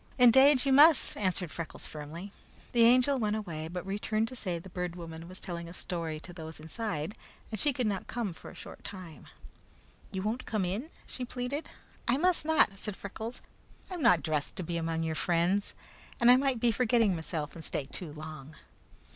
"Indade, you must," answered Freckles firmly. The Angel went away, but returned to say that the Bird Woman was telling a story to those inside and she could not come for a short time. "You won't come in?" she pleaded. "I must not," said Freckles. "I am not dressed to be among your friends, and I might be forgetting meself and stay too long."